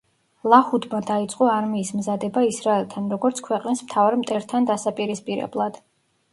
ლაჰუდმა დაიწყო არმიის მზადება ისრაელთან, როგორც ქვეყნის „მთავარ მტერთან“ დასაპირისპირებლად.